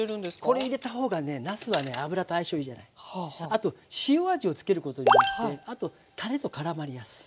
あと塩味をつけることによってあとたれとからまりやすい。